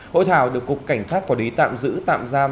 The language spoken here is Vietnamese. hội thảo được cục cảnh sát quản lý tạm giữ tạm giam